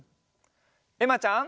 えまちゃん。